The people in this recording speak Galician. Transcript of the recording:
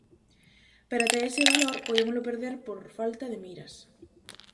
Pero ata ese valor podémolo perder por falta de miras.